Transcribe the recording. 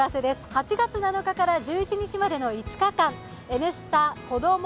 ８月７日から１１日までの５日間、「Ｎスタ」子ども